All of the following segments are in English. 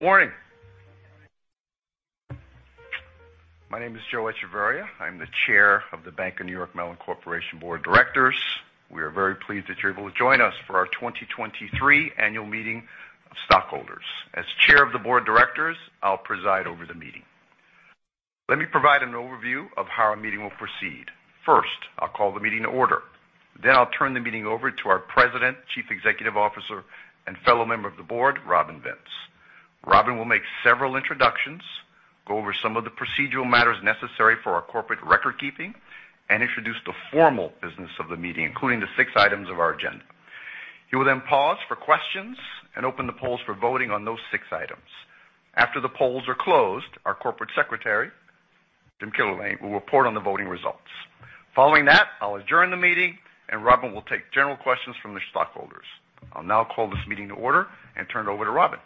Morning. My name is Joe Echevarria. I'm the chair of The Bank of New York Mellon Corporation Board of Directors. We are very pleased that you're able to join us for our 2023 annual meeting of stockholders. As chair of the board of directors, I'll preside over the meeting. Let me provide an overview of how our meeting will proceed. First, I'll call the meeting to order. I'll turn the meeting over to our President, Chief Executive Officer, and fellow member of the board, Robin Vince. Robin will make several introductions, go over some of the procedural matters necessary for our corporate record keeping, and introduce the formal business of the meeting, including the six items of our agenda. He will pause for questions and open the polls for voting on those six items. After the polls are closed, our Corporate Secretary, Jim Killerlane, will report on the voting results. Following that, I'll adjourn the meeting, and Robin will take general questions from the stockholders. I'll now call this meeting to order and turn it over to Robin.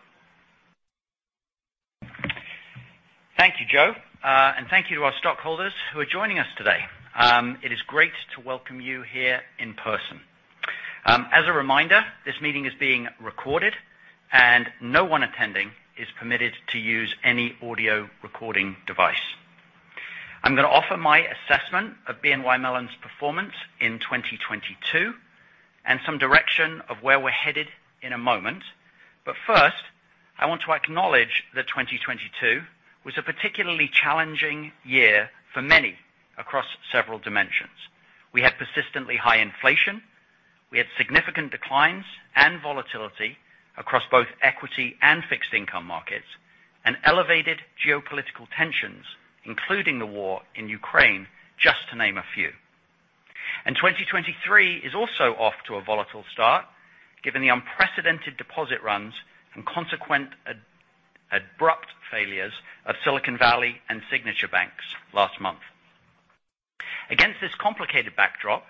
Thank you, Joe, and thank you to our stockholders who are joining us today. It is great to welcome you here in person. As a reminder, this meeting is being recorded and no one attending is permitted to use any audio recording device. I'm gonna offer my assessment of BNY Mellon's performance in 2022 and some direction of where we're headed in a moment. First, I want to acknowledge that 2022 was a particularly challenging year for many across several dimensions. We had persistently high inflation. We had significant declines and volatility across both equity and fixed income markets, and elevated geopolitical tensions, including the war in Ukraine, just to name a few. 2023 is also off to a volatile start, given the unprecedented deposit runs and consequent ad-abrupt failures of Silicon Valley and Signature Banks last month. Against this complicated backdrop,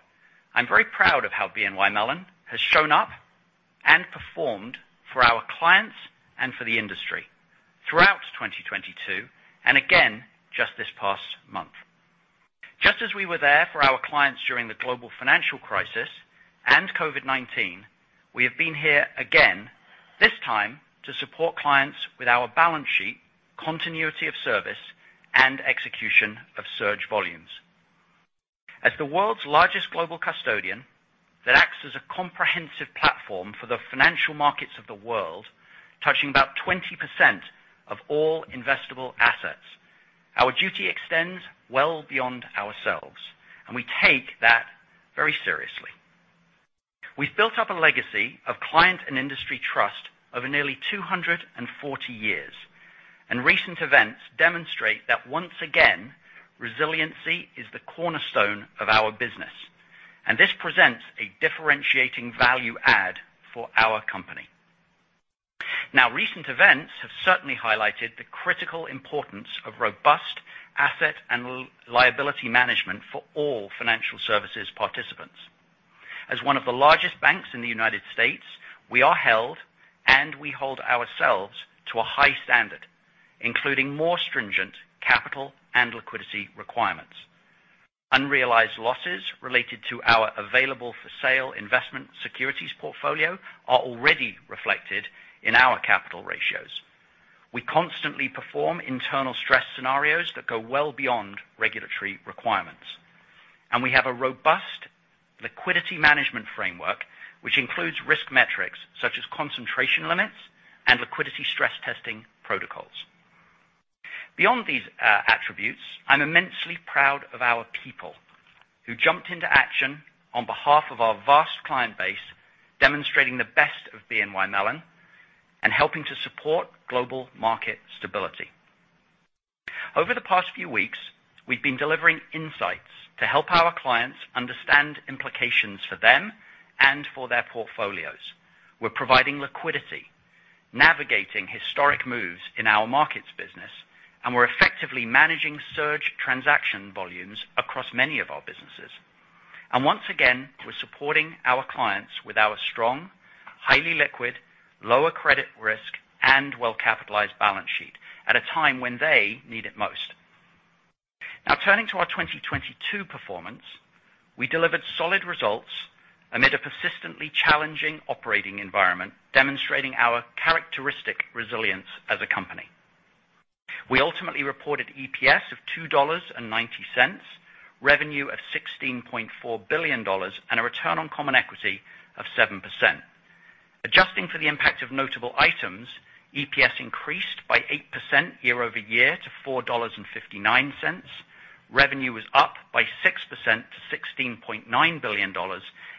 I'm very proud of how BNY Mellon has shown up and performed for our clients and for the industry throughout 2022, and again just this past month. Just as we were there for our clients during the global financial crisis and COVID-19, we have been here again, this time to support clients with our balance sheet, continuity of service, and execution of surge volumes. As the world's largest global custodian that acts as a comprehensive platform for the financial markets of the world, touching about 20% of all investable assets, our duty extends well beyond ourselves, and we take that very seriously. We've built up a legacy of client and industry trust over nearly 240 years, and recent events demonstrate that once again, resiliency is the cornerstone of our business, and this presents a differentiating value add for our company. Recent events have certainly highlighted the critical importance of robust asset and liability management for all financial services participants. As one of the largest banks in the United States, we are held and we hold ourselves to a high standard, including more stringent capital and liquidity requirements. Unrealized losses related to our available for sale investment securities portfolio are already reflected in our capital ratios. We constantly perform internal stress scenarios that go well beyond regulatory requirements. We have a robust liquidity management framework, which includes risk metrics such as concentration limits and liquidity stress testing protocols. Beyond these attributes, I'm immensely proud of our people who jumped into action on behalf of our vast client base, demonstrating the best of BNY Mellon and helping to support global market stability. Over the past few weeks, we've been delivering insights to help our clients understand implications for them and for their portfolios. We're providing liquidity, navigating historic moves in our markets business, and we're effectively managing surge transaction volumes across many of our businesses. Once again, we're supporting our clients with our strong, highly liquid, lower credit risk, and well-capitalized balance sheet at a time when they need it most. Now turning to our 2022 performance, we delivered solid results amid a persistently challenging operating environment, demonstrating our characteristic resilience as a company. We ultimately reported EPS of $2.90, revenue of $16.4 billion, and a return on common equity of 7%. Adjusting for the impact of notable items, EPS increased by 8% year-over-year to $4.59. Revenue was up by 6% to $16.9 billion,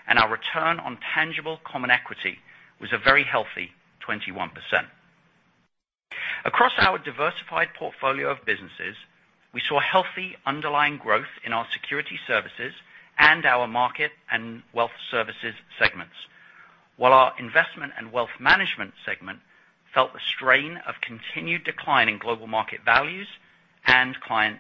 and our return on tangible common equity was a very healthy 21%. Across our diversified portfolio of businesses, we saw healthy underlying growth in our security services and our market and wealth services segments. While our investment and wealth management segment felt the strain of continued decline in global market values and client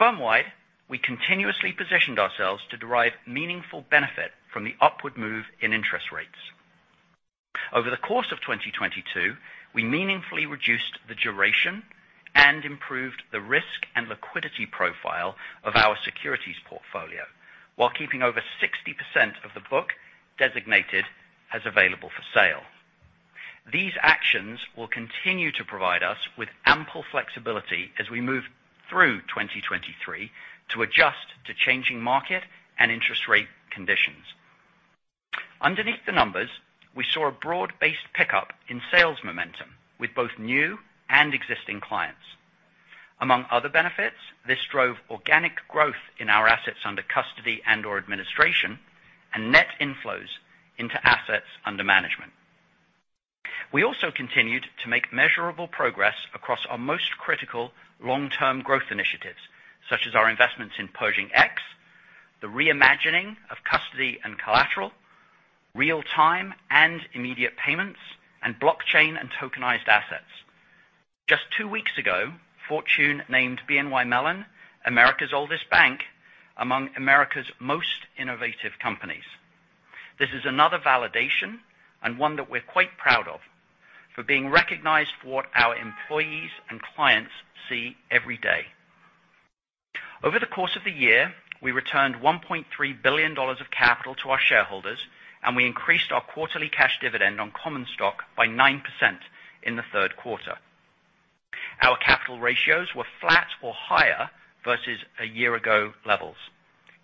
de-risking. Firm-wide, we continuously positioned ourselves to derive meaningful benefit from the upward move in interest rates. Over the course of 2022, we meaningfully reduced the duration and improved the risk and liquidity profile of our securities portfolio while keeping over 60% of the book designated as available for sale. These actions will continue to provide us with ample flexibility as we move through 2023 to adjust to changing market and interest rate conditions. Underneath the numbers, we saw a broad-based pickup in sales momentum with both new and existing clients. Among other benefits, this drove organic growth in our assets under custody and/or administration and net inflows into assets under management. We also continued to make measurable progress across our most critical long-term growth initiatives, such as our investments in Pershing X, the reimagining of custody and collateral, real-time and immediate payments, and blockchain and tokenized assets. Just two weeks ago, Fortune named BNY Mellon, America's oldest bank, among America's most innovative companies. This is another validation and one that we're quite proud of for being recognized for what our employees and clients see every day. Over the course of the year, we returned $1.3 billion of capital to our shareholders, and we increased our quarterly cash dividend on common stock by 9% in the third quarter. Our capital ratios were flat or higher versus a year ago levels,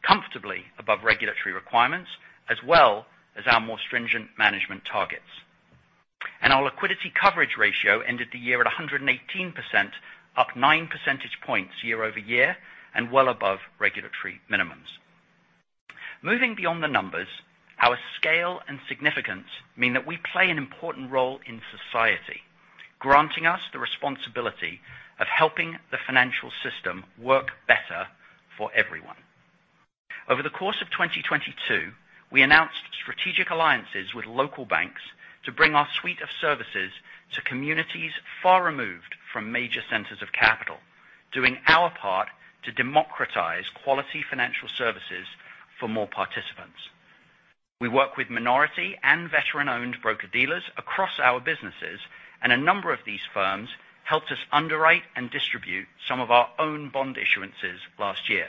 comfortably above regulatory requirements, as well as our more stringent management targets. Our liquidity coverage ratio ended the year at 118%, up 9 percentage points year-over-year and well above regulatory minimums. Moving beyond the numbers, our scale and significance mean that we play an important role in society, granting us the responsibility of helping the financial system work better for everyone. Over the course of 2022, we announced strategic alliances with local banks to bring our suite of services to communities far removed from major centers of capital, doing our part to democratize quality financial services for more participants. We work with minority and veteran-owned broker-dealers across our businesses, and a number of these firms helped us underwrite and distribute some of our own bond issuances last year.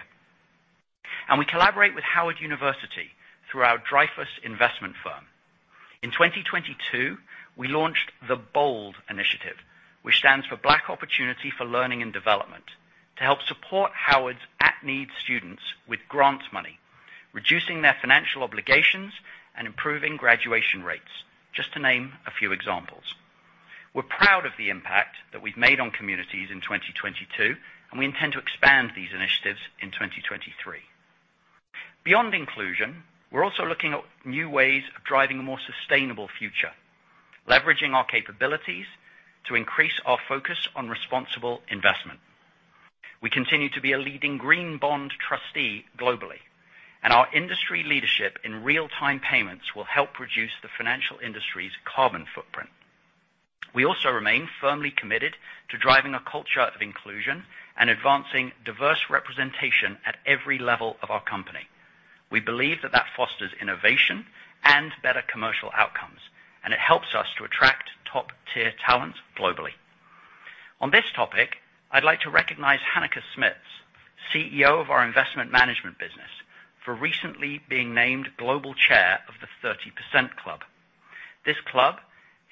We collaborate with Howard University through our Dreyfus Investment firm. In 2022, we launched the BOLD Initiative, which stands for Black Opportunity for Learning and Development, to help support Howard's at-need students with grant money, reducing their financial obligations and improving graduation rates, just to name a few examples. We're proud of the impact that we've made on communities in 2022, and we intend to expand these initiatives in 2023. Beyond inclusion, we're also looking at new ways of driving a more sustainable future, leveraging our capabilities to increase our focus on responsible investment. We continue to be a leading green bond trustee globally, and our industry leadership in real-time payments will help reduce the financial industry's carbon footprint. We also remain firmly committed to driving a culture of inclusion and advancing diverse representation at every level of our company. We believe that that fosters innovation and better commercial outcomes, and it helps us to attract top-tier talent globally. On this topic, I'd like to recognize Hanneke Smits, CEO of our investment management business, for recently being named Global Chair of the 30% Club. This club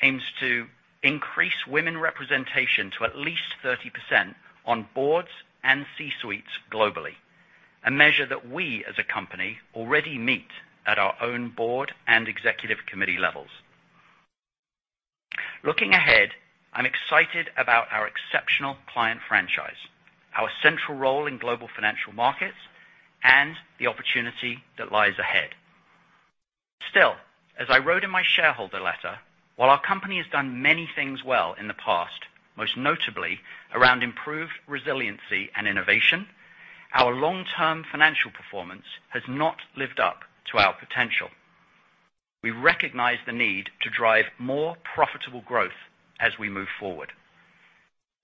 aims to increase women representation to at least 30% on boards and C-suites globally, a measure that we as a company already meet at our own board and executive committee levels. Looking ahead, I'm excited about our exceptional client franchise, our central role in global financial markets, and the opportunity that lies ahead. Still, as I wrote in my shareholder letter, while our company has done many things well in the past, most notably around improved resiliency and innovation, our long-term financial performance has not lived up to our potential. We recognize the need to drive more profitable growth as we move forward.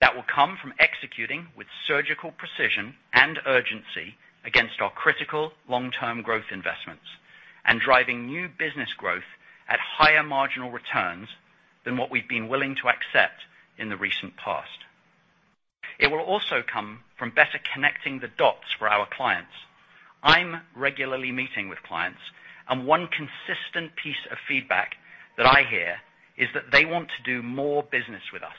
That will come from executing with surgical precision and urgency against our critical long-term growth investments and driving new business growth at higher marginal returns than what we've been willing to accept in the recent past. It will also come from better connecting the dots for our clients. I'm regularly meeting with clients, one consistent piece of feedback that I hear is that they want to do more business with us.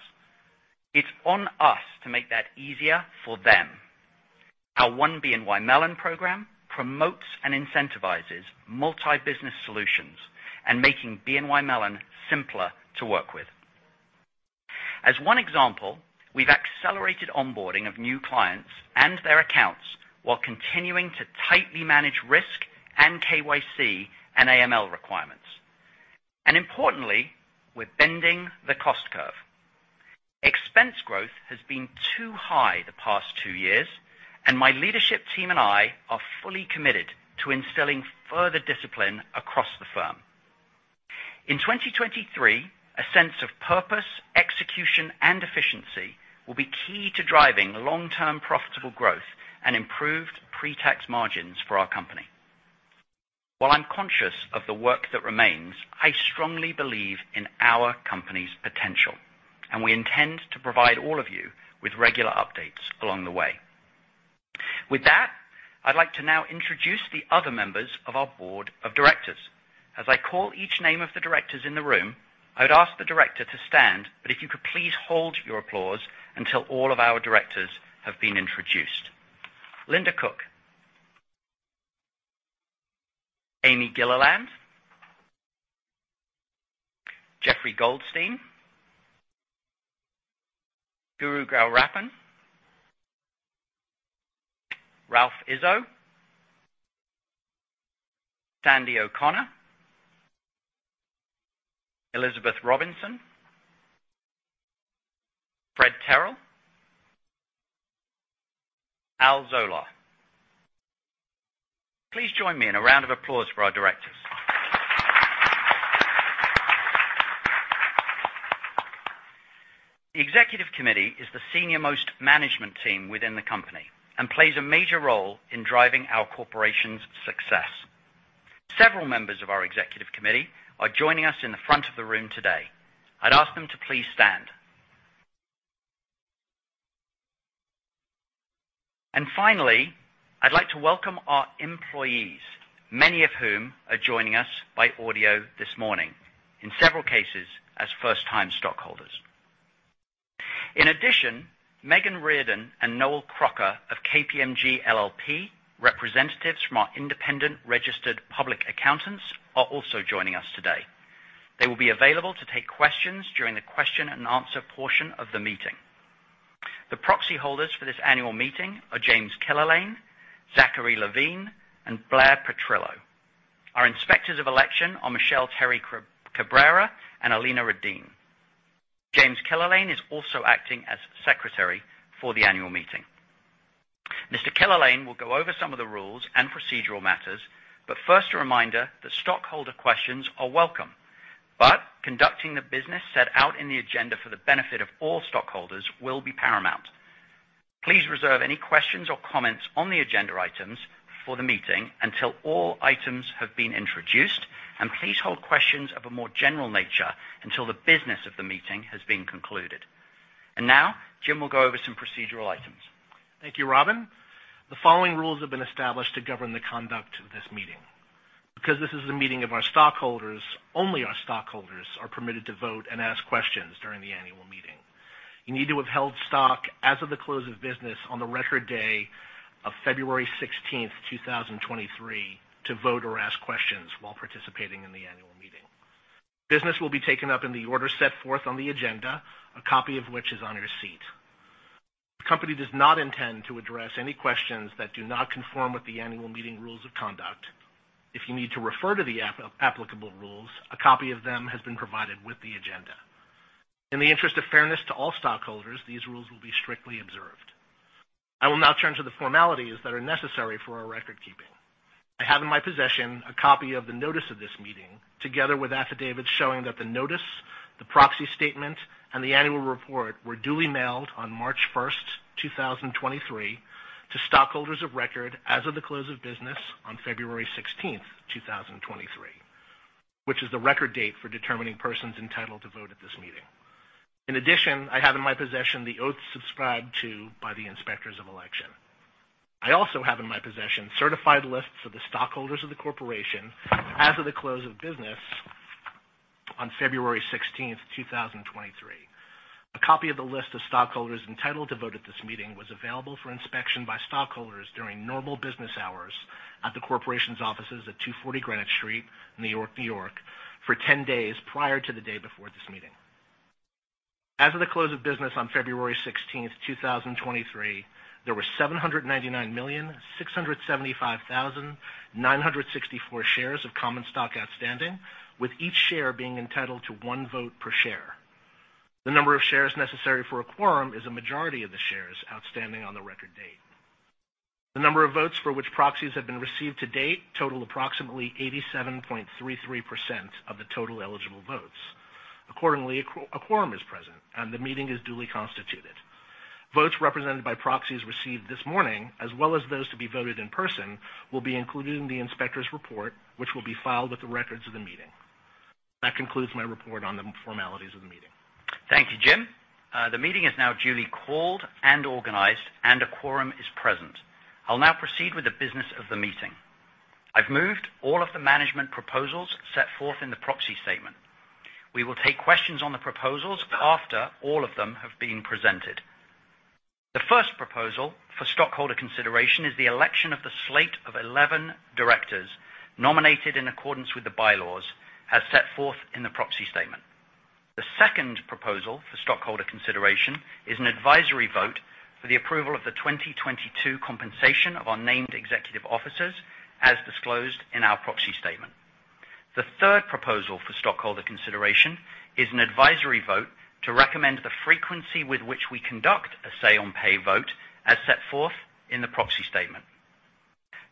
It's on us to make that easier for them. Our One BNY Mellon program promotes and incentivizes multi-business solutions and making BNY Mellon simpler to work with. As one example, we've accelerated onboarding of new clients and their accounts while continuing to tightly manage risk and KYC and AML requirements. Importantly, we're bending the cost curve. Expense growth has been too high the past two years, and my leadership team and I are fully committed to instilling further discipline across the firm. In 2023, a sense of purpose, execution, and efficiency will be key to driving long-term profitable growth and improved pre-tax margins for our company. While I'm conscious of the work that remains, I strongly believe in our company's potential, and we intend to provide all of you with regular updates along the way. With that, I'd like to now introduce the other members of our board of directors. As I call each name of the directors in the room, I'd ask the director to stand, but if you could please hold your applause until all of our directors have been introduced. Linda Cook. Amy Gilliland. Jeffrey Goldstein. Guru Gowrappan. Ralph Izzo. Sandie O'Connor. Elizabeth Robinson. Frederick O. Terrell. Alfred W. Zollar. Please join me in a round of applause for our directors. The executive committee is the senior-most management team within the company and plays a major role in driving our corporation's success. Several members of our executive committee are joining us in the front of the room today. I'd ask them to please stand. Finally, I'd like to welcome our employees, many of whom are joining us by audio this morning, in several cases as first-time stockholders. In addition, Megan Reardon and Noel Crocker of KPMG LLP, representatives from our independent registered public accountants, are also joining us today. They will be available to take questions during the question and answer portion of the meeting. The proxy holders for this annual meeting are James Killerlane, Zachary Levine, and Blair Petrillo. Our inspectors of election are Michelle Terry Cabrera and Alina Radin. James Killerlane is also acting as secretary for the annual meeting. Mr. Killerlane will go over some of the rules and procedural matters, first a reminder that stockholder questions are welcome, but conducting the business set out in the agenda for the benefit of all stockholders will be paramount. Please reserve any questions or comments on the agenda items for the meeting until all items have been introduced, please hold questions of a more general nature until the business of the meeting has been concluded. Now, Jim will go over some procedural items. Thank you, Robin. The following rules have been established to govern the conduct of this meeting. Because this is a meeting of our stockholders, only our stockholders are permitted to vote and ask questions during the annual meeting. You need to have held stock as of the close of business on the record day of February 16, 2023 to vote or ask questions while participating in the annual meeting. Business will be taken up in the order set forth on the agenda, a copy of which is on your seat. The company does not intend to address any questions that do not conform with the annual meeting rules of conduct. If you need to refer to the applicable rules, a copy of them has been provided with the agenda. In the interest of fairness to all stockholders, these rules will be strictly observed. I will now turn to the formalities that are necessary for our record keeping. I have in my possession a copy of the notice of this meeting, together with affidavits showing that the notice, the proxy statement, and the annual report were duly mailed on March first, two thousand twenty-three to stockholders of record as of the close of business on February sixteenth, two thousand twenty-three, which is the record date for determining persons entitled to vote at this meeting. In addition, I have in my possession the oaths subscribed to by the inspectors of election. I also have in my possession certified lists of the stockholders of the corporation as of the close of business on February sixteenth, two thousand twenty-three. A copy of the list of stockholders entitled to vote at this meeting was available for inspection by stockholders during normal business hours at the corporation's offices at 240 Greenwich Street, New York, New York, for 10 days prior to the day before this meeting. As of the close of business on February 16, 2023, there were 799,675,964 shares of common stock outstanding, with each share being entitled to 1 vote per share. The number of shares necessary for a quorum is a majority of the shares outstanding on the record date. The number of votes for which proxies have been received to date total approximately 87.33% of the total eligible votes. Accordingly, a quorum is present and the meeting is duly constituted. Votes represented by proxies received this morning, as well as those to be voted in person, will be included in the inspector's report, which will be filed with the records of the meeting. That concludes my report on the formalities of the meeting. Thank you, Jim. The meeting is now duly called and organized, a quorum is present. I'll now proceed with the business of the meeting. I've moved all of the management proposals set forth in the proxy statement. We will take questions on the proposals after all of them have been presented. The first proposal for stockholder consideration is the election of the slate of 11 directors nominated in accordance with the bylaws, as set forth in the proxy statement. The second proposal for stockholder consideration is an advisory vote for the approval of the 2022 compensation of our named executive officers, as disclosed in our proxy statement. The third proposal for stockholder consideration is an advisory vote to recommend the frequency with which we conduct a say on pay vote, as set forth in the proxy statement.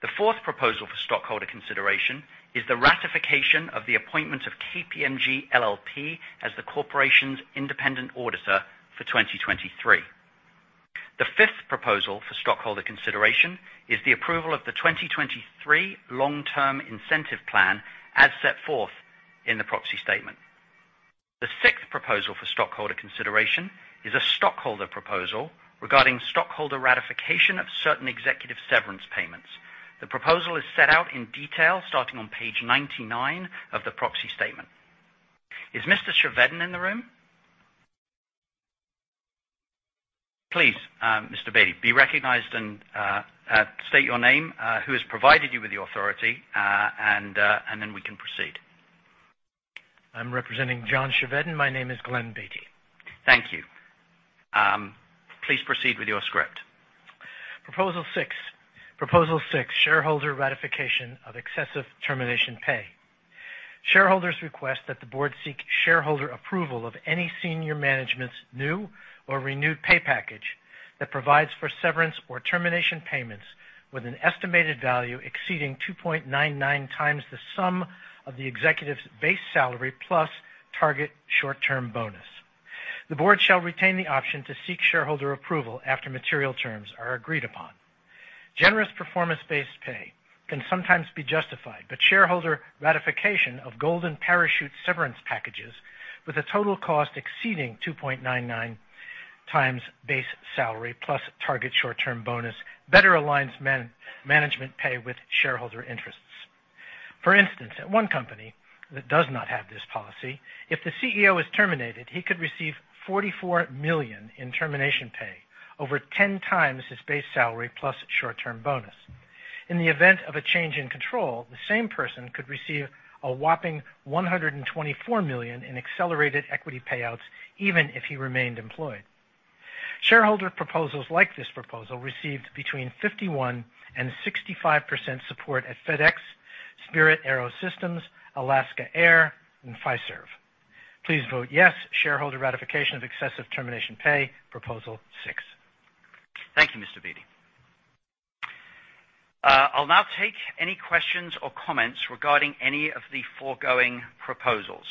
The fourth proposal for stockholder consideration is the ratification of the appointment of KPMG LLP as the corporation's independent auditor for 2023. The fifth proposal for stockholder consideration is the approval of the 2023 long-term incentive plan, as set forth in the proxy statement. The sixth proposal for stockholder consideration is a stockholder proposal regarding stockholder ratification of certain executive severance payments. The proposal is set out in detail starting on page 99 of the proxy statement. Is Mr. Chevedden in the room? Please, Mr. Beatty, be recognized and state your name, who has provided you with the authority, and then we can proceed. I'm representing John Chevedden. My name is Glenn Beatty. Thank you. Please proceed with your script. Proposal 6. Proposal 6, shareholder ratification of excessive termination pay. Shareholders request that the board seek shareholder approval of any senior management's new or renewed pay package that provides for severance or termination payments with an estimated value exceeding 2.99 times the sum of the executive's base salary plus target short-term bonus. The board shall retain the option to seek shareholder approval after material terms are agreed upon. Generous performance-based pay can sometimes be justified, but shareholder ratification of golden parachute severance packages with a total cost exceeding 2.99 times base salary plus target short-term bonus better aligns man-management pay with shareholder interests. For instance, at 1 company that does not have this policy, if the CEO is terminated, he could receive $44 million in termination pay over 10 times his base salary plus short-term bonus. In the event of a change in control, the same person could receive a whopping $124 million in accelerated equity payouts even if he remained employed. Shareholder proposals like this proposal received between 51% and 65% support at FedEx, Spirit AeroSystems, Alaska Air, and Fiserv. Please vote yes, shareholder ratification of excessive termination pay, proposal 6. Thank you, Mr. Beatty. I'll now take any questions or comments regarding any of the foregoing proposals.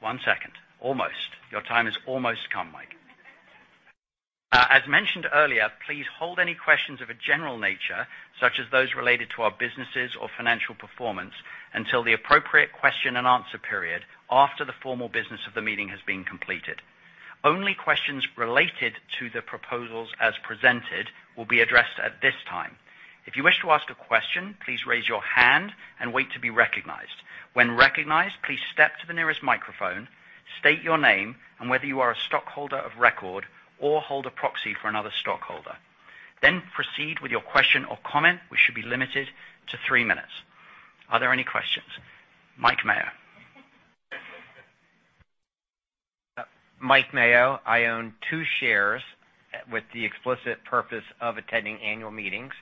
One second. Almost. Your time has almost come, Mike. As mentioned earlier, please hold any questions of a general nature, such as those related to our businesses or financial performance, until the appropriate question and answer period after the formal business of the meeting has been completed. Only questions related to the proposals as presented will be addressed at this time. If you wish to ask a question, please raise your hand and wait to be recognized. When recognized, please step to the nearest microphone, state your name and whether you are a stockholder of record or hold a proxy for another stockholder. Proceed with your question or comment, which should be limited to three minutes. Are there any questions? Mike Mayo. Mike Mayo. I own 2 shares with the explicit purpose of attending annual meetings.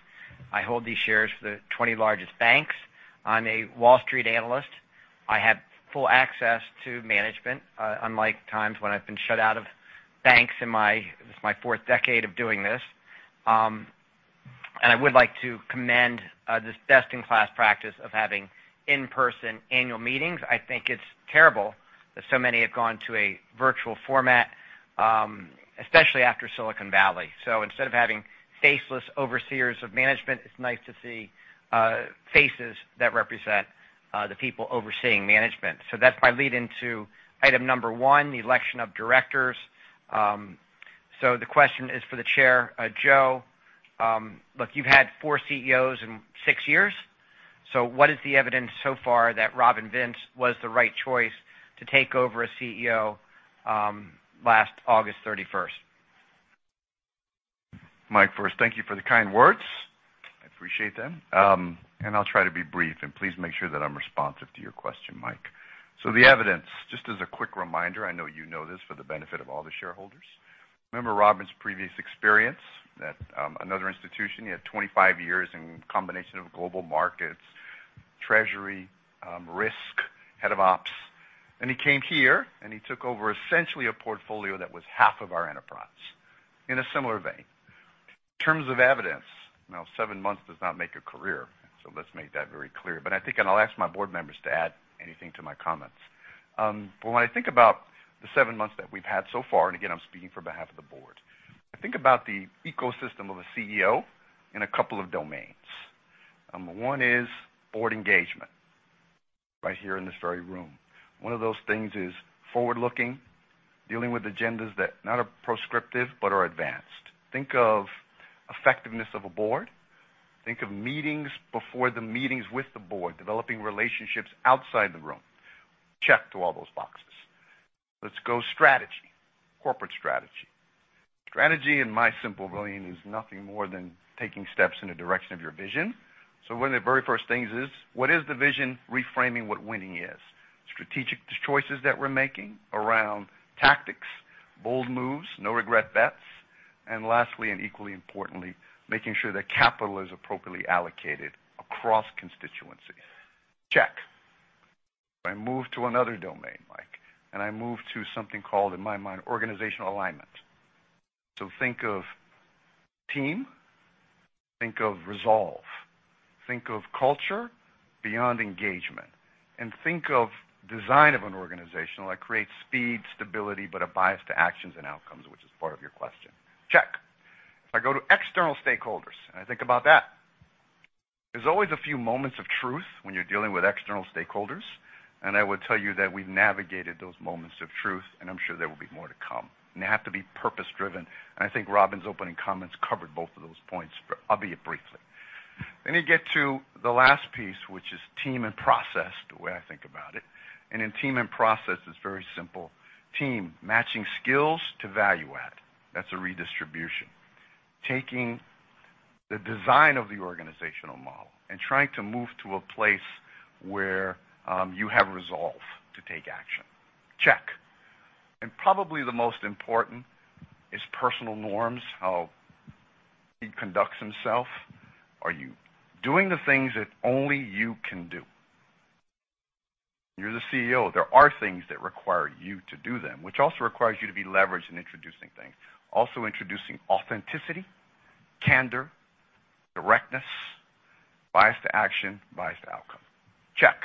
I hold these shares for the 20 largest banks. I'm a Wall Street analyst. I have full access to management, unlike times when I've been shut out of banks this is my 4th decade of doing this. I would like to commend this best-in-class practice of having in-person annual meetings. I think it's terrible that so many have gone to a virtual format, especially after Silicon Valley. Instead of having faceless overseers of management, it's nice to see faces that represent the people overseeing management. That's my lead into item number 1, the election of directors. The question is for the chair, Joe. Look, you've had 4 CEOs in 6 years. What is the evidence so far that Robin Vince was the right choice to take over a CEO, last August 31st? Mike, first, thank you for the kind words. I appreciate them. And I'll try to be brief, and please make sure that I'm responsive to your question, Mike. The evidence, just as a quick reminder, I know you know this for the benefit of all the shareholders. Remember Robin's previous experience at another institution. He had 25 years in combination of global markets, treasury, risk, head of ops, and he came here, and he took over essentially a portfolio that was half of our enterprise in a similar vein. In terms of evidence, now, seven months does not make a career, let's make that very clear. I think, and I'll ask my board members to add anything to my comments. When I think about the seven months that we've had so far, and again, I'm speaking for behalf of the board, I think about the ecosystem of a CEO in a couple of domains. Number one is board engagement, right here in this very room. One of those things is forward-looking, dealing with agendas that not are proscriptive but are advanced. Think of effectiveness of a board. Think of meetings before the meetings with the board, developing relationships outside the room. Check to all those boxes. Let's go strategy, corporate strategy. Strategy, in my simple ruling, is nothing more than taking steps in the direction of your vision. One of the very first things is, what is the vision reframing what winning is? Strategic choices that we're making around tactics, bold moves, no regret bets, and lastly, and equally importantly, making sure that capital is appropriately allocated across constituencies. Check. I move to another domain, Mike, and I move to something called, in my mind, organizational alignment. Think of team, think of resolve, think of culture beyond engagement, and think of design of an organization that creates speed, stability, but a bias to actions and outcomes, which is part of your question. Check. If I go to external stakeholders, and I think about that. There's always a few moments of truth when you're dealing with external stakeholders, and I would tell you that we've navigated those moments of truth, and I'm sure there will be more to come. They have to be purpose-driven. I think Robin's opening comments covered both of those points, but I'll be briefly. Let me get to the last piece, which is team and process, the way I think about it. In team and process, it's very simple. Team, matching skills to value add. That's a redistribution. Taking the design of the organizational model and trying to move to a place where you have resolve to take action. Check. Probably the most important is personal norms, how he conducts himself. Are you doing the things that only you can do? You're the CEO. There are things that require you to do them, which also requires you to be leveraged in introducing things. Also introducing authenticity, candor, directness, bias to action, bias to outcome. Check.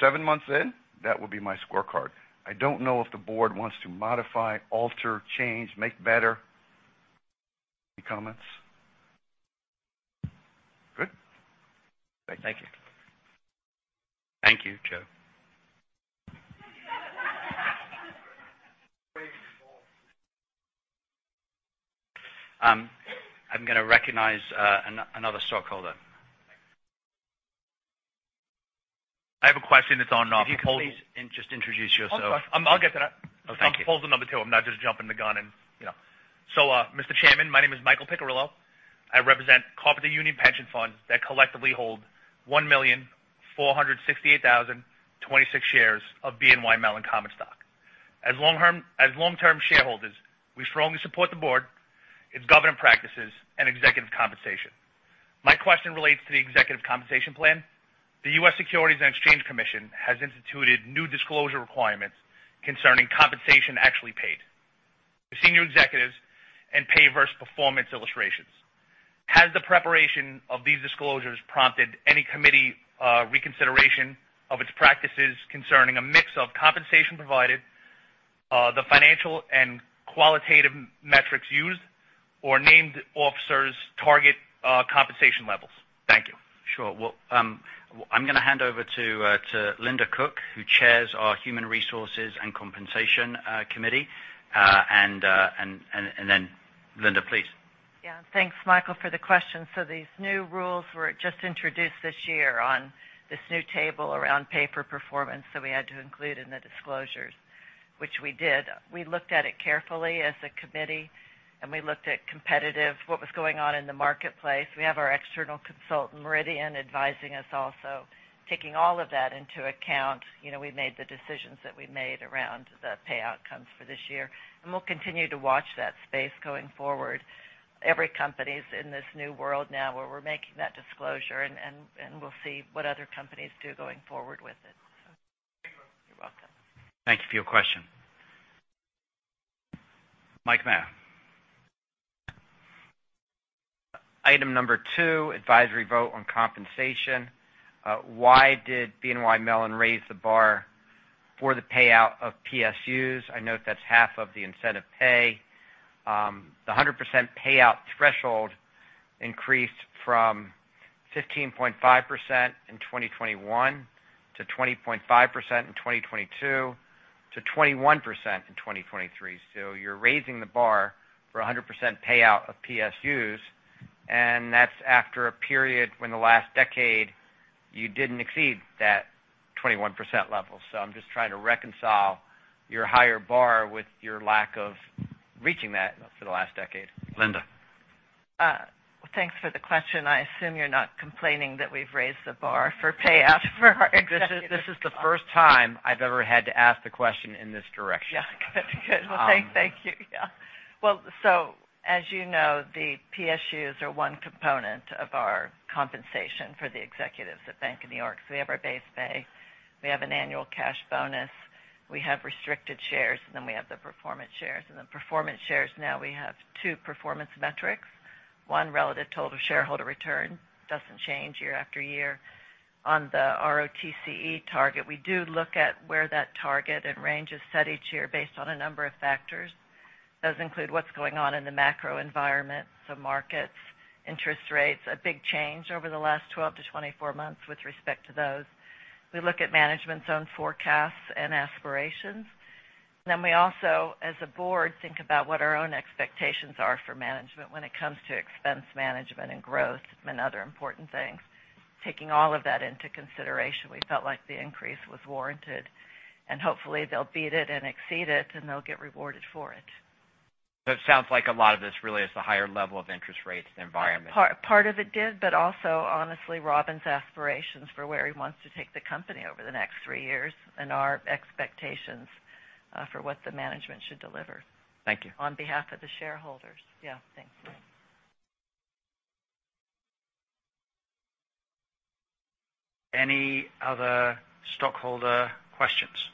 7 months in, that would be my scorecard. I don't know if the board wants to modify, alter, change, make better. Any comments? Good? Great. Thank you. Thank you, Joe. I'm gonna recognize, another stockholder. I have a question that's on-. If you could please, just introduce yourself. I'll get to that. Okay. I'm proposal number 2. I'm not just jumping the gun and, you know. Mr. Chairman, my name is Michael Passacantillo. I represent Carpenter Union Pension Fund that collectively hold 1,468,026 shares of BNY Mellon common stock. As long-term shareholders, we strongly support the board, its governance practices, and executive compensation. My question relates to the executive compensation plan. The U.S. Securities and Exchange Commission has instituted new disclosure requirements concerning compensation actually paid to senior executives and pay versus performance illustrations. Has the preparation of these disclosures prompted any committee reconsideration of its practices concerning a mix of compensation provided, the financial and qualitative metrics used or named officers target compensation levels? Thank you. Well, I'm gonna hand over to Linda Cook, who chairs our Human Resources and Compensation Committee, and then, Linda, please. Yeah. Thanks, Michael, for the question. These new rules were just introduced this year on this new table around pay for performance. We had to include in the disclosures, which we did. We looked at it carefully as a committee, and we looked at competitive, what was going on in the marketplace. We have our external consultant, Meridian, advising us also, taking all of that into account. You know, we made the decisions that we made around the payout comes for this year. We'll continue to watch that space going forward. Every company is in this new world now where we're making that disclosure, and we'll see what other companies do going forward with it. Thank you. You're welcome. Thank you for your question. Mike Mayo. Item 2, advisory vote on compensation. Why did BNY Mellon raise the bar for the payout of PSUs? I know that's half of the incentive pay. The 100% payout threshold increased from 15.5% in 2021 to 20.5% in 2022 to 21% in 2023. You're raising the bar for a 100% payout of PSUs, and that's after a period when the last decade you didn't exceed that 21% level. I'm just trying to reconcile your higher bar with your lack of reaching that for the last decade. Linda. Thanks for the question. I assume you're not complaining that we've raised the bar for payout for our executives. This is the first time I've ever had to ask the question in this direction. Good. Thank you. As you know, the PSUs are one component of our compensation for the executives at Bank of New York. We have our base pay, we have an annual cash bonus, we have restricted shares, we have the performance shares. The performance shares now we have two performance metrics. One. relative total shareholder return. Doesn't change year after year. On the ROTCE target, we do look at where that target and range is set each year based on a number of factors. Those include what's going on in the macro environment, so markets, interest rates, a big change over the last 12-24 months with respect to those. We look at management's own forecasts and aspirations. We also, as a board, think about what our own expectations are for management when it comes to expense management and growth and other important things. Taking all of that into consideration, we felt like the increase was warranted, and hopefully, they'll beat it and exceed it, and they'll get rewarded for it. It sounds like a lot of this really is the higher level of interest rates environment. Part of it did, but also, honestly, Robin's aspirations for where he wants to take the company over the next three years and our expectations for what the management should deliver. Thank you. On behalf of the shareholders. Yeah. Thanks. Any other stockholder questions?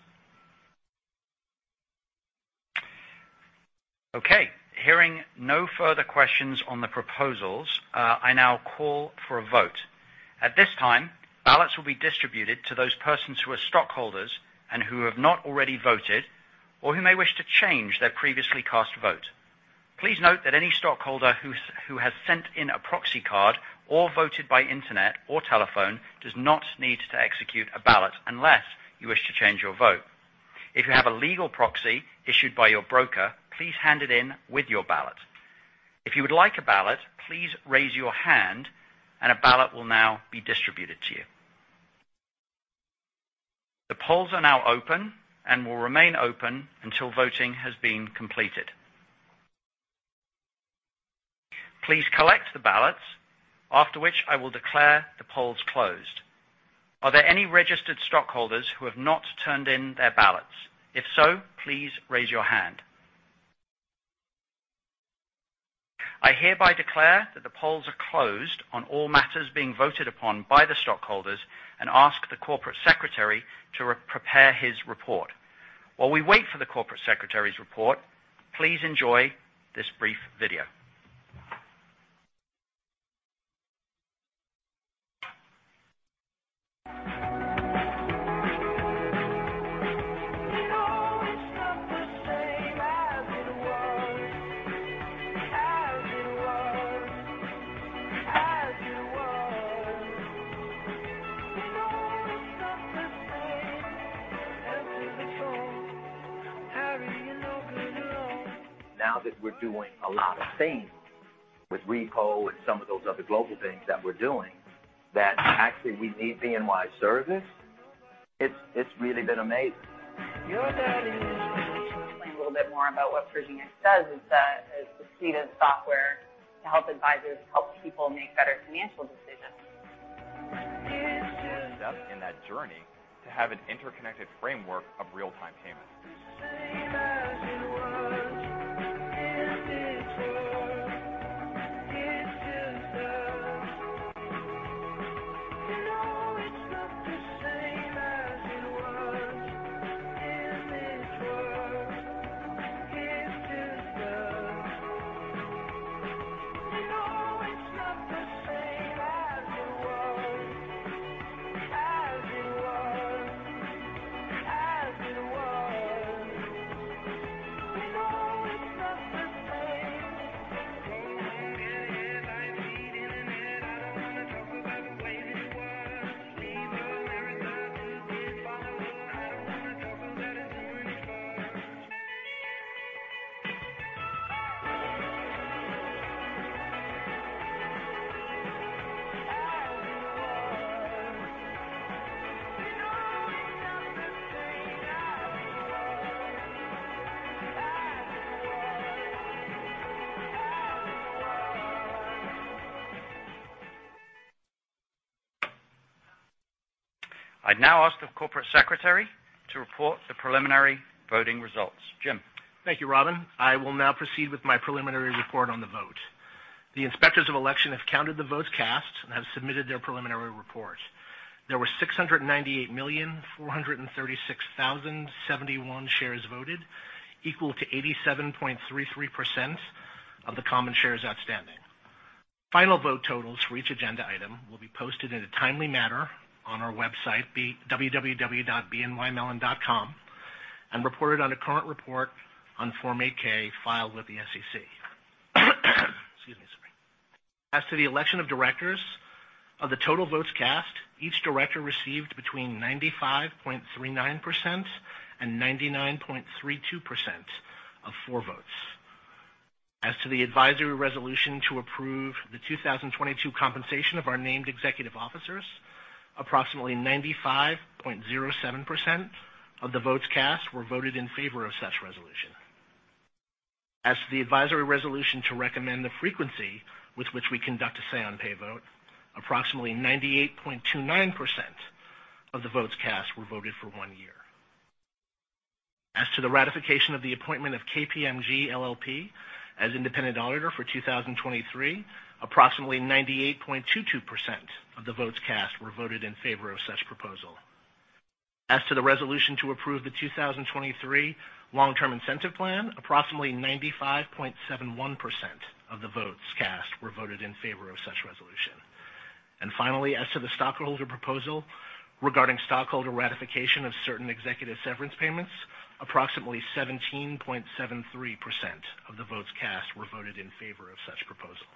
Okay. Hearing no further questions on the proposals, I now call for a vote. At this time, ballots will be distributed to those persons who are stockholders and who have not already voted or who may wish to change their previously cast vote. Please note that any stockholder who has sent in a proxy card or voted by internet or telephone does not need to execute a ballot unless you wish to change your vote. If you have a legal proxy issued by your broker, please hand it in with your ballot. If you would like a ballot, please raise your hand and a ballot will now be distributed to you. The polls are now open and will remain open until voting has been completed. Please collect the ballots, after which I will declare the polls closed. Are there any registered stockholders who have not turned in their ballots? If so, please raise your hand. I hereby declare that the polls are closed on all matters being voted upon by the stockholders and ask the Corporate Secretary to prepare his report. While we wait for the Corporate Secretary's report, please enjoy this brief video. You know it's not the same as it was. As it was. You know it's not the same. Answer the phone. Harry, you're no good alone. Now that we're doing a lot of things with repo and some of those other global things that we're doing, that actually we need BNY's service, it's really been amazing. Explain a little bit more about what Prismo does is that it's a suite of software to help advisors help people make better financial decisions. Next step in that journey to have an interconnected framework of real-time payments. The same as it was. As it was. It just does. You know it's not the same as it was. As it was. As it was. You know it's not the same. Oh, Betty Lou, they're playing me too. I don't want to talk about the way it was. Leave America, this boy. I don't want to talk about it anymore. As it was. You know it's not the same as it was. As it was. As it was. I'd now ask the Corporate Secretary to report the preliminary voting results. Jim. Thank you, Robin. I will now proceed with my preliminary report on the vote. The inspectors of election have counted the votes cast and have submitted their preliminary report. There were 698,436,071 shares voted, equal to 87.33% of the common shares outstanding. Final vote totals for each agenda item will be posted in a timely manner on our website, www.bnymellon.com, and reported on a current report on Form 8-K filed with the SEC. Excuse me, sorry. As to the election of directors, of the total votes cast, each director received between 95.39% and 99.32% of four votes. As to the advisory resolution to approve the 2022 compensation of our named executive officers, approximately 95.07% of the votes cast were voted in favor of such resolution. As to the advisory resolution to recommend the frequency with which we conduct a say on pay vote, approximately 98.29% of the votes cast were voted for 1 year. As to the ratification of the appointment of KPMG LLP as independent auditor for 2023, approximately 98.22% of the votes cast were voted in favor of such proposal. As to the resolution to approve the 2023 long-term incentive plan, approximately 95.71% of the votes cast were voted in favor of such resolution. Finally, as to the stockholder proposal regarding stockholder ratification of certain executive severance payments, approximately 17.73% of the votes cast were voted in favor of such proposal.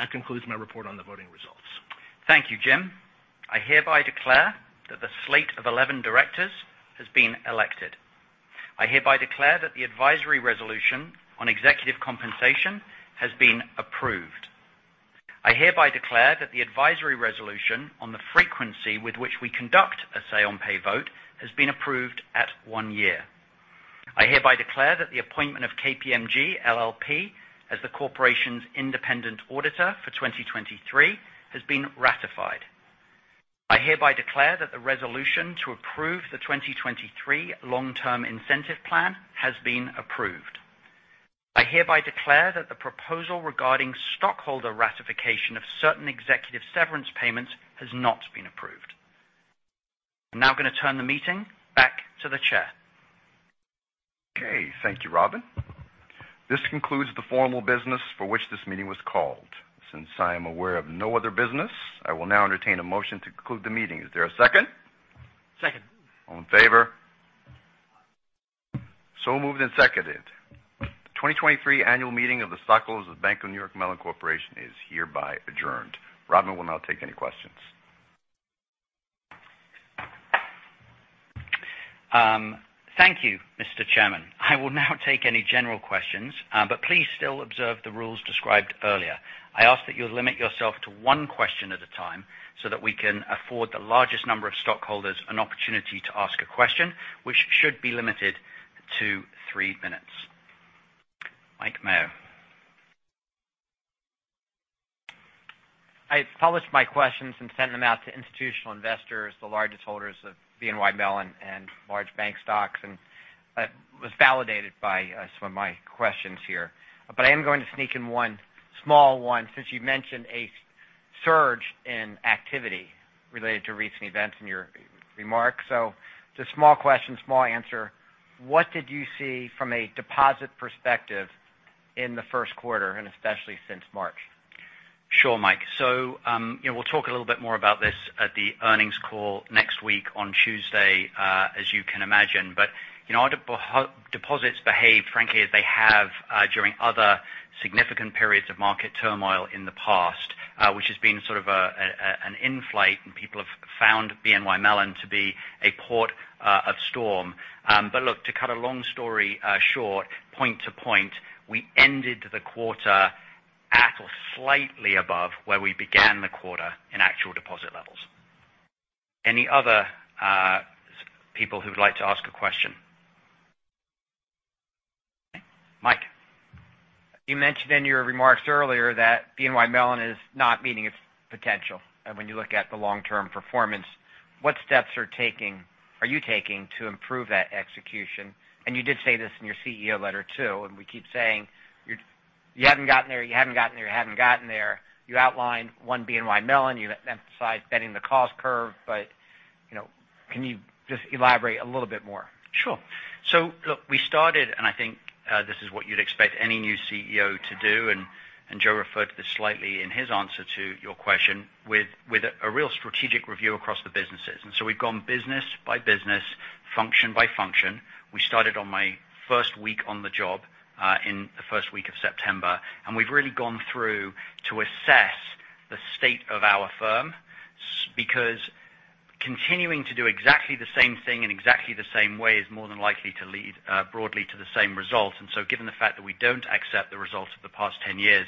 That concludes my report on the voting results. Thank you, Jim. I hereby declare that the slate of 11 directors has been elected. I hereby declare that the advisory resolution on executive compensation has been approved. I hereby declare that the advisory resolution on the frequency with which we conduct a say-on-pay vote has been approved at 1 year. I hereby declare that the appointment of KPMG LLP as the Corporation's independent auditor for 2023 has been ratified. I hereby declare that the resolution to approve the 2023 long-term incentive plan has been approved. I hereby declare that the proposal regarding stockholder ratification of certain executive severance payments has not been approved. I'm now gonna turn the meeting back to the Chair. Okay. Thank you, Robin. This concludes the formal business for which this meeting was called. Since I am aware of no other business, I will now entertain a motion to conclude the meeting. Is there a second? Second. All in favor? Moved and seconded. The 2023 annual meeting of the stockholders of The Bank of New York Mellon Corporation is hereby adjourned. Robin will now take any questions. Thank you, Mr. Chairman. I will now take any general questions. Please still observe the rules described earlier. I ask that you limit yourself to one question at a time so that we can afford the largest number of stockholders an opportunity to ask a question, which should be limited to three minutes. Mike Mayo. I published my questions and sent them out to institutional investors, the largest holders of BNY Mellon and large bank stocks, and was validated by some of my questions here. I am going to sneak in one small one, since you mentioned a surge in activity related to recent events in your remarks. Just small question, small answer. What did you see from a deposit perspective in the first quarter, and especially since March? Sure, Mike. You know, we'll talk a little bit more about this at the earnings call next week on Tuesday, as you can imagine. You know, our deposits behave frankly as they have, during other significant periods of market turmoil in the past, which has been sort of an inflight and people have found BNY Mellon to be a port of storm. Look, to cut a long story short, point to point, we ended the quarter at or slightly above where we began the quarter in actual deposit levels. Any other people who would like to ask a question? Mike. You mentioned in your remarks earlier that BNY Mellon is not meeting its potential when you look at the long-term performance. What steps are you taking to improve that execution? You did say this in your CEO letter too, and we keep saying you haven't gotten there. You outlined One BNY Mellon, you emphasized bending the cost curve, but, you know, can you just elaborate a little bit more? Sure. Look, we started, and I think, this is what you'd expect any new CEO to do, and Joe referred to this slightly in his answer to your question, with a real strategic review across the businesses. We've gone business by business, function by function. We started on my first week on the job, in the first week of September, and we've really gone through to assess the state of our firm, because continuing to do exactly the same thing in exactly the same way is more than likely to lead, broadly to the same result. Given the fact that we don't accept the results of the past 10 years,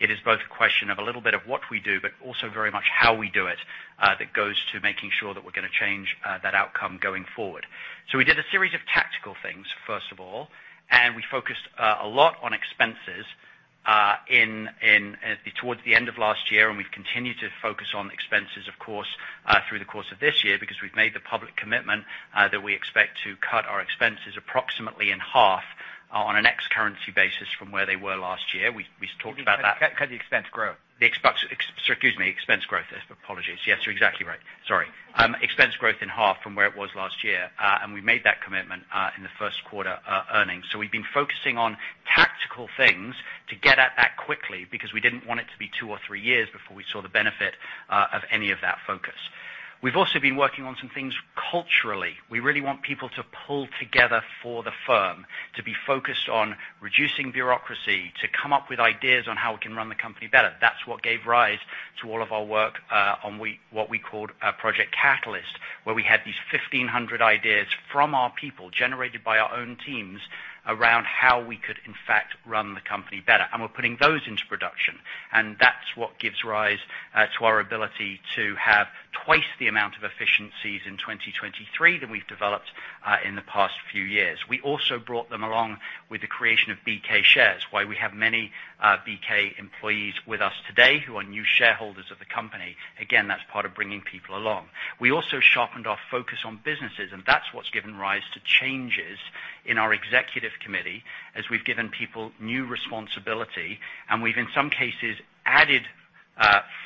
it is both a question of a little bit of what we do, but also very much how we do it, that goes to making sure that we're gonna change that outcome going forward. We did a series of tactical things, first of all, and we focused a lot on expenses in towards the end of last year, and we've continued to focus on expenses, of course, through the course of this year because we've made the public commitment that we expect to cut our expenses approximately in half on a next currency basis from where they were last year. We talked about that. Cut the expense growth. Excuse me, expense growth. Apologies. Yes, you're exactly right. Sorry. Expense growth in half from where it was last year. We made that commitment in the first quarter earnings. We've been focusing on tactical things to get at that quickly because we didn't want it to be 2 or 3 years before we saw the benefit of any of that focus. We've also been working on some things culturally. We really want people to pull together for the firm to be focused on reducing bureaucracy, to come up with ideas on how we can run the company better. That's what gave rise to all of our work, what we called Project Catalyst, where we had these 1,500 ideas from our people, generated by our own teams around how we could in fact run the company better. We're putting those into production. That's what gives rise to our ability to have twice the amount of efficiencies in 2023 than we've developed in the past few years. We also brought them along with the creation of BK Shares, why we have many BK employees with us today who are new shareholders of the company. Again, that's part of bringing people along. We also sharpened our focus on businesses, and that's what's given rise to changes in our executive committee as we've given people new responsibility, and we've in some cases added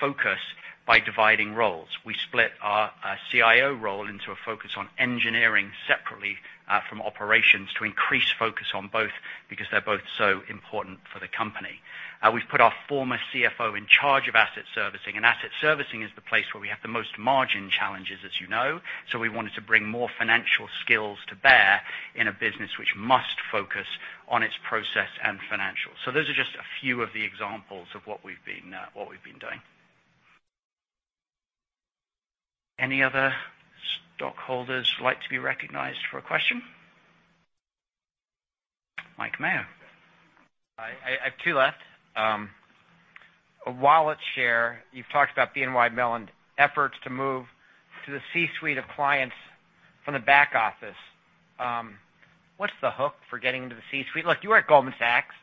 focus by dividing roles. We split our CIO role into a focus on engineering separately from operations to increase focus on both because they're both so important for the company. We've put our former CFO in charge of asset servicing, and asset servicing is the place where we have the most margin challenges, as you know. We wanted to bring more financial skills to bear in a business which must focus on its process and financials. Those are just a few of the examples of what we've been what we've been doing. Any other stockholders like to be recognized for a question? Mike Mayo. I have two left. A wallet share. You've talked about BNY Mellon efforts to move to the C-suite of clients from the back office. What's the hook for getting into the C-suite? Look, you were at Goldman Sachs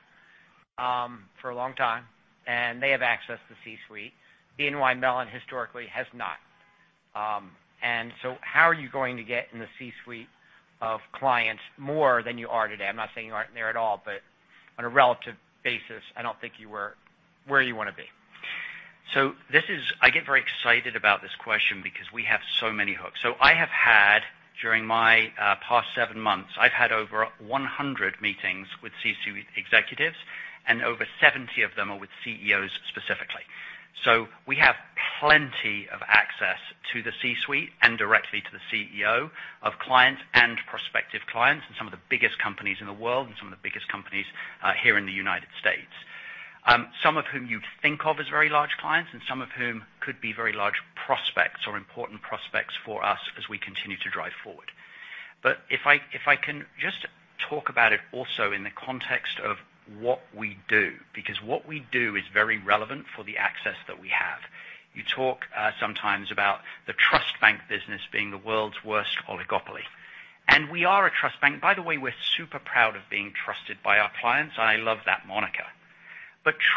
for a long time. They have access to C-suite. BNY Mellon historically has not. How are you going to get in the C-suite of clients more than you are today? I'm not saying you aren't there at all, but on a relative basis, I don't think you were where you wanna be. This is. I get very excited about this question because we have so many hooks. I have had, during my past seven months, I've had over 100 meetings with C-suite executives, and over 70 of them are with CEOs specifically. We have plenty of access to the C-suite and directly to the CEO of clients and prospective clients and some of the biggest companies in the world and some of the biggest companies here in the United States, some of whom you'd think of as very large clients and some of whom could be very large prospects or important prospects for us as we continue to drive forward. If I, if I can just talk about it also in the context of what we do, because what we do is very relevant for the access that we have. You talk sometimes about the trust bank business being the world's worst oligopoly. We are a trust bank. By the way, we're super proud of being trusted by our clients. I love that moniker.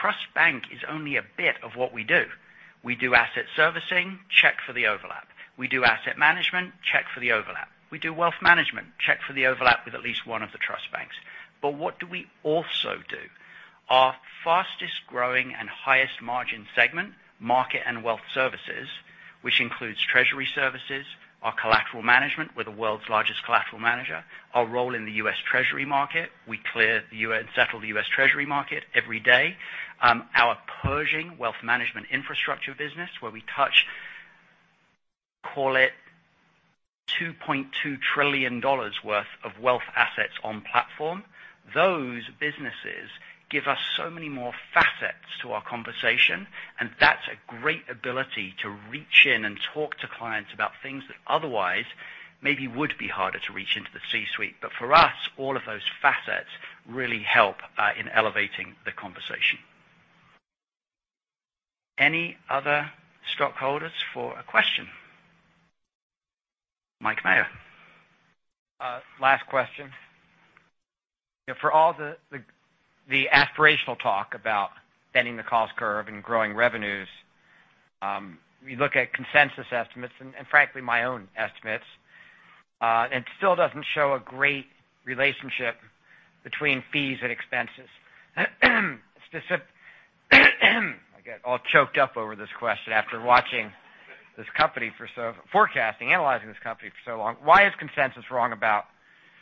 Trust bank is only a bit of what we do. We do asset servicing, check for the overlap. We do asset management, check for the overlap. We do wealth management, check for the overlap with at least one of the trust banks. What do we also do? Our fastest-growing and highest margin segment, market and wealth services, which includes treasury services, our collateral management. We're the world's largest collateral manager. Our role in the US Treasury market. We clear settle the US Treasury market every day. Our Pershing wealth management infrastructure business, where we touch, call it $22 trillion worth of wealth assets on platform. Those businesses give us so many more facets to our conversation, that's a great ability to reach in and talk to clients about things that otherwise maybe would be harder to reach into the C-suite. For us, all of those facets really help in elevating the conversation. Any other stockholders for a question? Mike Mayo. Last question. For all the aspirational talk about bending the cost curve and growing revenues, we look at consensus estimates, frankly, my own estimates, it still doesn't show a great relationship between fees and expenses. I get all choked up over this question after watching this company forecasting, analyzing this company for so long. Why is consensus wrong about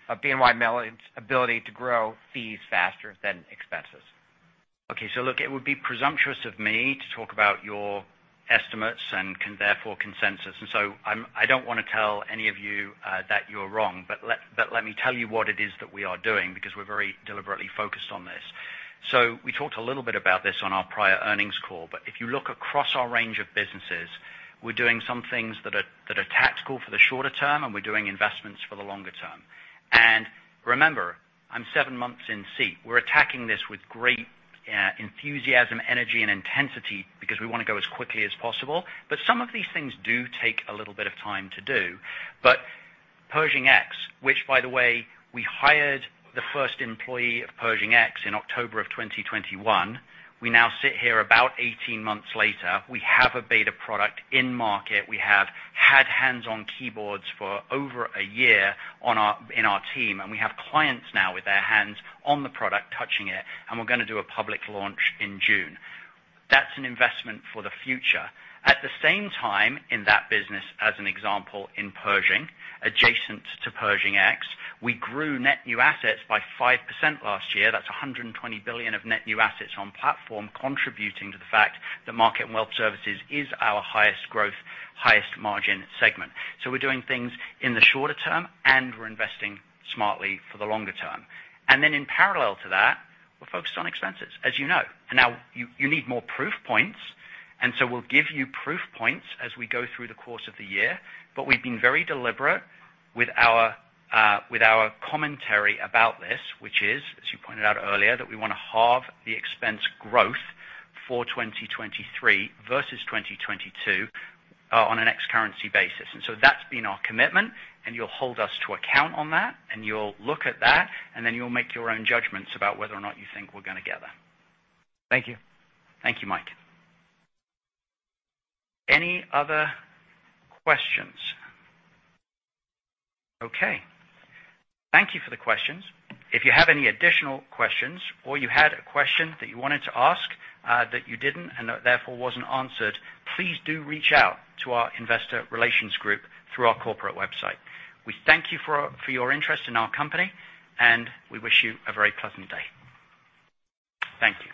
a BNY Mellon's ability to grow fees faster than expenses? Okay. Look, it would be presumptuous of me to talk about your estimates and therefore consensus. I don't wanna tell any of you that you're wrong, but let me tell you what it is that we are doing because we're very deliberately focused on this. We talked a little bit about this on our prior earnings call. If you look across our range of businesses, we're doing some things that are tactical for the shorter term, and we're doing investments for the longer term. Remember, I'm seven months in seat. We're attacking this with great enthusiasm, energy, and intensity because we wanna go as quickly as possible. Some of these things do take a little bit of time to do. Pershing X, which by the way, we hired the first employee of Pershing X in October of 2021. We now sit here about 18 months later. We have a beta product in market. We have had hands-on keyboards for over a year in our team, and we have clients now with their hands on the product touching it, and we're gonna do a public launch in June. That's an investment for the future. At the same time, in that business, as an example, in Pershing, adjacent to Pershing X, we grew net new assets by 5% last year. That's $120 billion of net new assets on platform contributing to the fact that market and wealth services is our highest growth, highest margin segment. We're doing things in the shorter term, and we're investing smartly for the longer term. In parallel to that, we're focused on expenses, as you know. Now you need more proof points. We'll give you proof points as we go through the course of the year. We've been very deliberate with our commentary about this, which is, as you pointed out earlier, that we wanna halve the expense growth for 2023 versus 2022 on an ex-currency basis. That's been our commitment, and you'll hold us to account on that, and you'll look at that. You'll make your own judgments about whether or not you think we're gonna get there. Thank you. Thank you, Mike. Any other questions? Okay. Thank you for the questions. If you have any additional questions or you had a question that you wanted to ask, that you didn't, and therefore wasn't answered, please do reach out to our investor relations group through our corporate website. We thank you for your interest in our company, and we wish you a very pleasant day. Thank you.